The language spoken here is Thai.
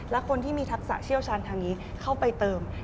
และคนที่มีทักษะเชี่ยวชาญทางนี้เข้าไปเติม